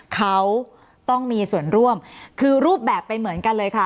เขาต้องมีส่วนร่วมคือรูปแบบไปเหมือนกันเลยค่ะ